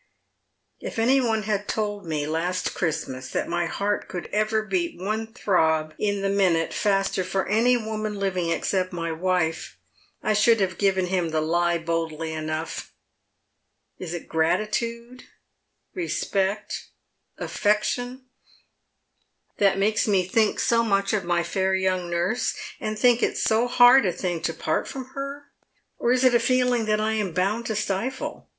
" If any one had told me last Christmas that my heart could ever beat one throb in the minute faster for any woman living except my wife, 1 should have given him the lie boldly enough. Is it gratitude — respect — aifection — that makes me think so much of my fair young nurse, and think it so hard a thing to part from her? Or is it a feeling that I am bound to stifle